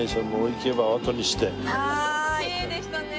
きれいでしたね。